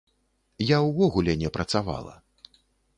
Я ўвогуле не працавала.